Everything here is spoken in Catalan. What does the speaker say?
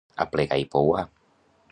Aplegar i pouar.